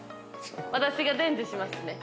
私が伝授しますね。